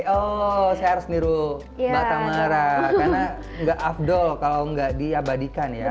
oh saya harus niru mbak tamara karena nggak afdol kalau nggak diabadikan ya